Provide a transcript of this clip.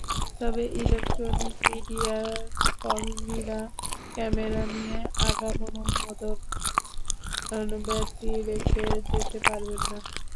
তবে ইলেকট্রনিক মিডিয়ার কর্মীরা ক্যামেরা নিয়ে আগাম অনুমোদন ব্যতিরেকে যেতে পারবেন না।